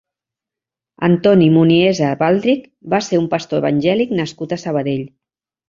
Antoni Muniesa Baldrich va ser un pastor evangèlic nascut a Sabadell.